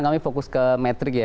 jadi fokus ke metrik ya